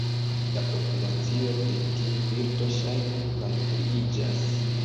La populacio de tiu birdo ŝajne malpliiĝas.